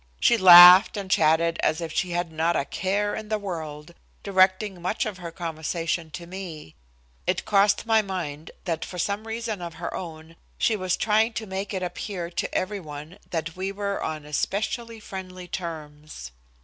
She laughed and chatted as if she had not a care in the world, directing much of her conversation to me. It crossed my mind that for some reason of her own she was trying to make it appear to every one that we were on especially friendly terms.